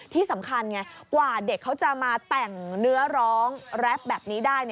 ที่สำคัญไงกว่าเด็กเขาจะมาแต่งเนื้อร้องแรปแบบนี้ได้